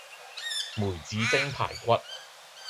梅子蒸排骨